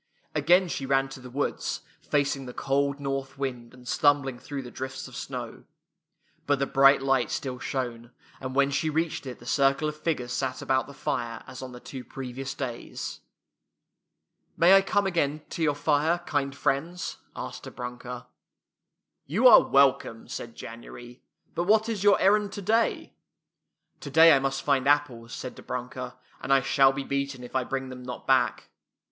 Again she ran to the woods, facing the cold north wind and stumbling through the drifts of snow. But the bright light still shone, and when she reached it the circle of figures sat about the fire as on the two previ ous days. " May I come again to your fire, kind friends?" asked Dobrunka. [ 17 ] FAVORITE FAIRY TALES RETOLD " You are welcome/' said January. '' But what is your errand today? "" Today I must find apples," said Dobrunka, " and I shall be beaten if 1 bring them not back."